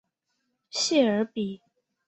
谢尔比。